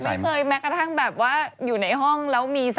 ใส่แต่ก็ไม่กล้าถ่ายรูปไหม